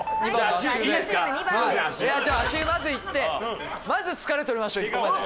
じゃあ足湯まず行ってまず疲れ取りましょう１個目で。